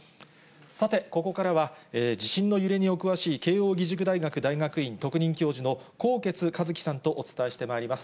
さて、ここからは、地震の揺れにお詳しい、慶應義塾大学大学院、特任教授の纐纈一起さんとお伝えしてまいります。